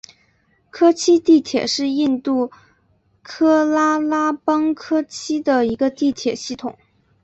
科契地铁是印度喀拉拉邦科契的一个地铁系统。